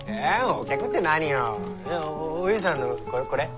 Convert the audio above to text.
おゆうさんのこれ？